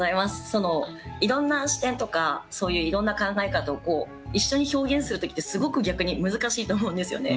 そのいろんな視点とかそういういろんな考え方を一緒に表現する時ってすごく逆に難しいと思うんですよね。